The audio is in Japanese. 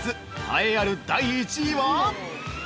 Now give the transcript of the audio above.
栄えある第１位は◆